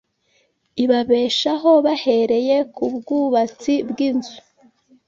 ibabeshaho bahereye ku y’ubwubatsi bw’inzu